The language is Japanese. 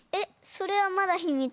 それはまだひみつ。